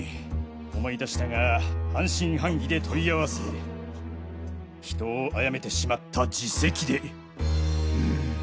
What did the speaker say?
思い出したが半信半疑で問い合わせ人を殺めてしまった自責で。